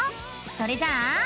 それじゃあ。